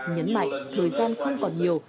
nhấn mạnh thời gian không còn nhiều